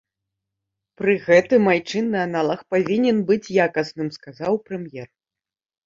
Пры гэтым айчынны аналаг павінен быць якасным, сказаў прэм'ер.